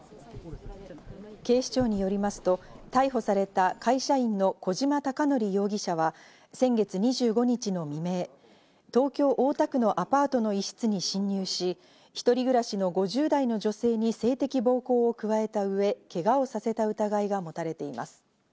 警視庁によりますと、逮捕された会社員の小島貴紀容疑者は先月２５日の未明、東京・大田区のアパートの一室に侵入し、一人暮らしの５０代の女性に性的暴行を加えた上、けがをさせた疑いが持たれています。